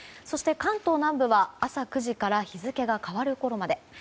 そして、関東南部は朝９時から日付が変わるころまで。